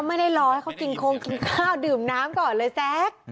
ไม่ได้รอให้เขากินโค้งกินข้าวดื่มน้ำก่อนเลยแซค